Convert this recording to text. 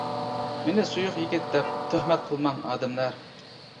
مېنى سۇيۇق يىگىت دەپ، تۆھمەت قىلماڭ ئادەملەر.